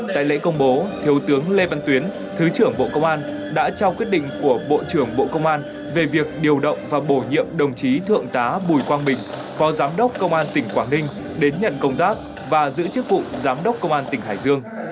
tại lễ công bố thiếu tướng lê văn tuyến thứ trưởng bộ công an đã trao quyết định của bộ trưởng bộ công an về việc điều động và bổ nhiệm đồng chí thượng tá bùi quang bình phó giám đốc công an tỉnh quảng ninh đến nhận công tác và giữ chức vụ giám đốc công an tỉnh hải dương